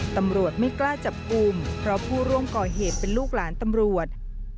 ตำรวจไม่กล้าจับกลุ่มเพราะผู้ร่วมก่อเหตุเป็นลูกหลานตำรวจ